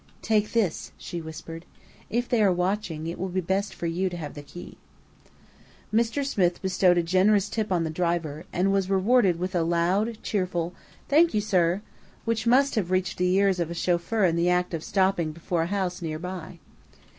"Take this," she whispered. "If they are watching, it will be best for you to have the key." Mr. Smith bestowed a generous tip on the driver, and was rewarded with a loud, cheerful "Thank you, sir!" which must have reached the ears of a chauffeur in the act of stopping before a house near by.